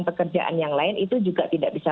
pekerjaan yang lain itu juga tidak bisa